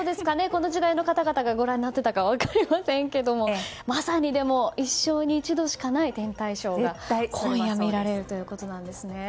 この時代の方々がご覧になってたか分かりませんがまさに一生に一度しかない天体ショーが今夜、見られるということなんですね。